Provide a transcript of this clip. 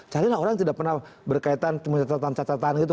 carilah orang yang tidak pernah berkaitan dengan catatan catatan itu